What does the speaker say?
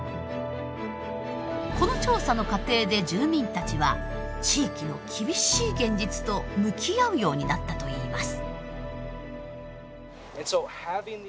この調査の過程で住民たちは地域の厳しい現実と向き合うようになったといいます。